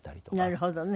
なるほどね。